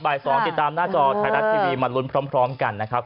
๒ติดตามหน้าจอไทยรัฐทีวีมาลุ้นพร้อมกันนะครับ